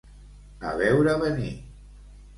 A veure venir.